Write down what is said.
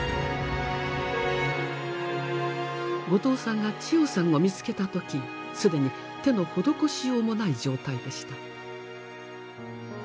後藤さんがチヨさんを見つけた時既に手の施しようもない状態でした。